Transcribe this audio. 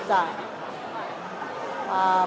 สวัสดีครับ